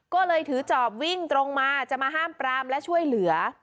ก็เลยถือจอบวิ่งตรงมาจะมาห้ามปรามและช่วยเหลือ